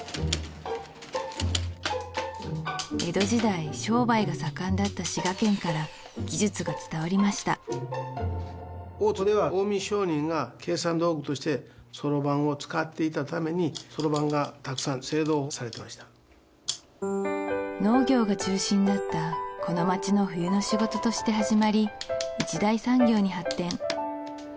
江戸時代商売が盛んだった滋賀県から技術が伝わりました大津では近江商人が計算道具としてそろばんを使っていたためにそろばんがたくさん製造されてました農業が中心だったこの町の冬の仕事として始まり一大産業に発展